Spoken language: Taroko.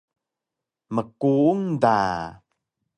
Mkuung da